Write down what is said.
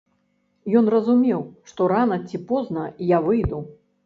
Ён разумеў, што рана ці позна я выйду.